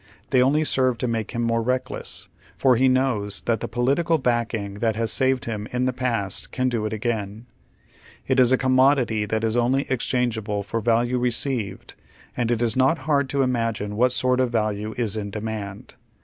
They only serve to make him more reckless, for he knows that the political backing that has saved him in the past can do it again. It is a commo dity tliat is only exchangeable "for value received," and it is not liard to imagine what sort of value is in demand.